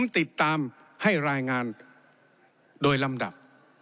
ติดตามให้รายงานโดยลำดับ